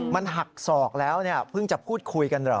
มันหักศอกแล้วเนี่ยเพิ่งจะพูดคุยกันเหรอ